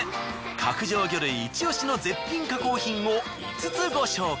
角上魚類イチオシの絶品加工品を５つご紹介。